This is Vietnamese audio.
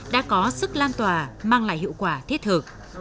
đã có sức lan tỏa mang lại hiệu quả thiết thực